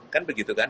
kan begitu kan